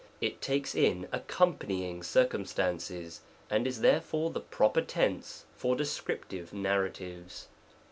It takes in accompanying circumstances, and is therefore the proper tense for descriptive narratives.